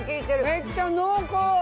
めっちゃ濃厚。